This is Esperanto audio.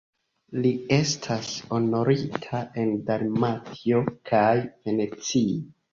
Li estas honorita en Dalmatio kaj Venecio.